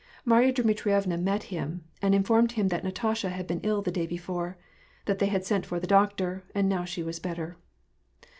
Marya Dmitrievna met him, and informed him that Natasha had been ill the day before, that they had sent for the doctor, and now she was better.